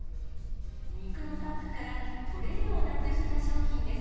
肉のパックからトレーをなくした商品です。